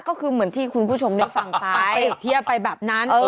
ก็คือเหมือนที่คุณผู้ชมได้ฟังไปเปรียบเทียบไปแบบนั้น